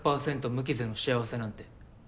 無傷の幸せなんて。